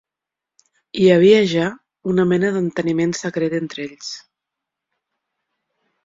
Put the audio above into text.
Hi havia ja una mena d'enteniment secret entre ells.